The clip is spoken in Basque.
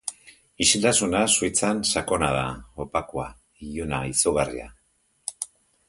Isiltasuna, Suitzan, sakona da, opakua, iluna, izugarria.